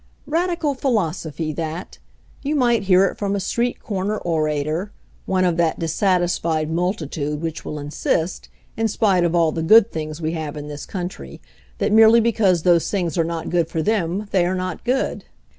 Radical philosophy, that. You might hear it from a street corner orator, one of that dissatis fied multitude which will insist, in spite of all the good things we have in this country, that merely because those things are not good for them they are not good.